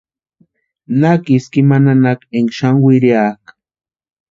Nakiski ima nanaka énka xani wiriakʼa.